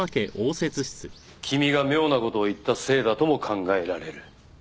君が妙な事を言ったせいだとも考えられる。